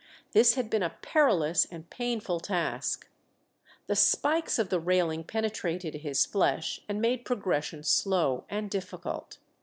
This had been a perilous and painful task; the spikes of the railing penetrated his flesh and made progression slow and difficult.